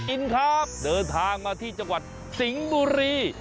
อินครับเดินทางมาที่จังหวัดสิงห์บุรี